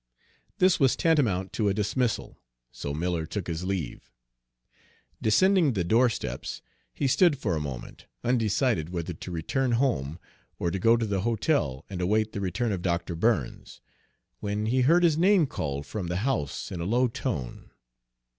This was tantamount to a dismissal, so Miller took his leave. Descending the doorsteps, he stood for a moment, undecided whether to return home or to go to the hotel and await the return of Dr. Burns, when he heard his name called from the house in a low tone.